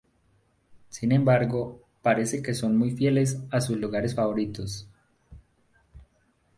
Sin embargo, parece que son muy fieles a sus lugares favoritos.